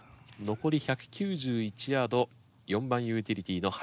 残り１９１ヤード４番ユーティリティの原。